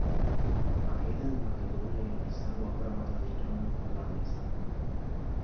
А Еден Македонија ја претставува првата виртуелна продавница